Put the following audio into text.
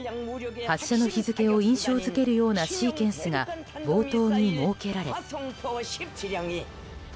発射の日付を印象付けるようなシーケンスが冒頭に設けられ。